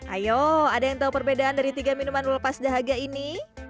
ayo ada yang tahu perbedaan dari tiga minuman melepas dahaga ini